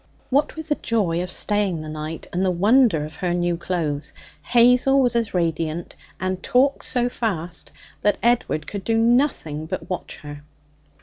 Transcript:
What with the joy of staying the night and the wonder of her new clothes, Hazel was as radiant and talked so fast that Edward could do nothing but watch her.